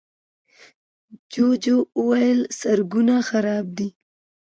جوجو وويل، سړکونه خراب دي.